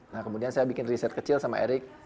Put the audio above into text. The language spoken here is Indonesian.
nah kemudian saya bikin riset kecil sama eric